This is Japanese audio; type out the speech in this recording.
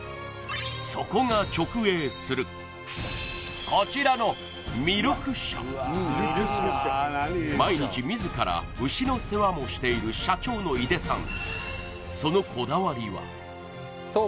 そこが直営するこちらの毎日自ら牛の世話もしている社長の井出さん